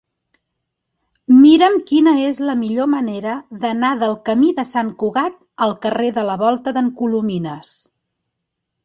Mira'm quina és la millor manera d'anar del camí de Sant Cugat al carrer de la Volta d'en Colomines.